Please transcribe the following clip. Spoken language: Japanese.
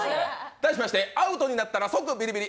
題しましてアウトになったら即ビリビリ！